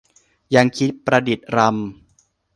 ยั้งคิดประดิษฐ์รำ